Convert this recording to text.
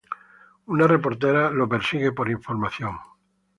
Una reportera lo persigue por información.